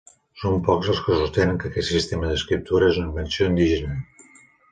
Són pocs els que sostenen que aquest sistema d'escriptura és una invenció indígena.